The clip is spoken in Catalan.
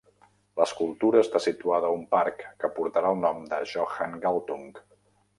L'escultura està situada a un parc que portarà el nom de Johan Galtung.